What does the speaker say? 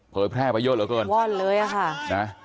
เผยแพร่ไปเยอะเหลือเกิน